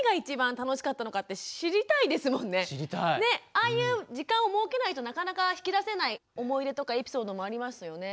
ああいう時間を設けないとなかなか引き出せない思い出とかエピソードもありますよね。